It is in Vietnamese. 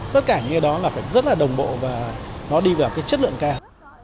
tất cả như đó là phải rất đồng bộ và nó đi vào chất lượng cao